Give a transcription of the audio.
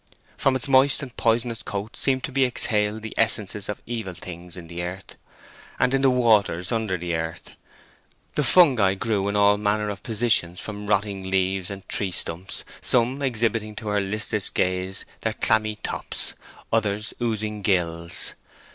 From its moist and poisonous coat seemed to be exhaled the essences of evil things in the earth, and in the waters under the earth. The fungi grew in all manner of positions from rotting leaves and tree stumps, some exhibiting to her listless gaze their clammy tops, others their oozing gills.